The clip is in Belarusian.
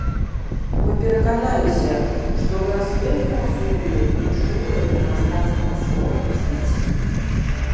Мы пераканаліся, што ў нас вельмі разумныя і чулыя да мастацкага слова дзеці.